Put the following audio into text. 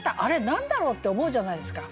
何だろうって思うじゃないですか。